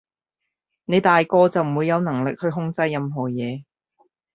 你大個就唔會有能力去控制任何嘢